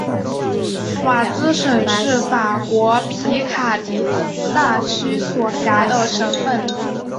瓦兹省是法国皮卡迪大区所辖的省份。